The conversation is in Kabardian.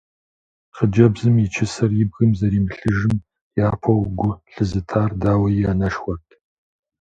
Хъыджэбзым и чысэр и бгым зэримылъыжым япэу гу лъызытар, дауи, и анэшхуэрт.